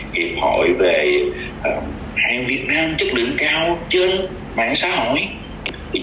hiệp hội về mạng việt nam chất lượng cao trên mạng xã hội